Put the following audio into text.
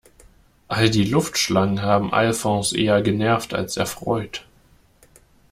All die Luftschlangen haben Alfons eher genervt als erfreut.